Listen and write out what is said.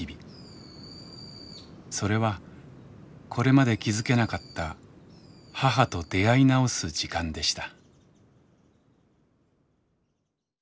それはこれまで気付けなかった母と出会い直す時間でした。